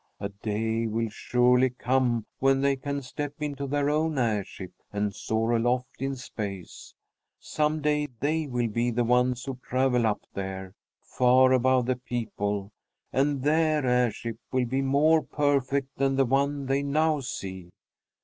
A day will surely come when they can step into their own airship and soar aloft in space. Some day they will be the ones who travel up there, far above the people, and their airship will be more perfect than the one they now see.